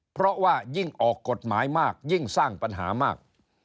เพราะว่ายิ่งออกกฎหมายมากยิ่งสร้างปัญหามาก